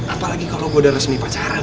apalagi kalo gue udah resmi pacaran